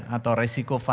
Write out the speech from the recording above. atau resiko fatal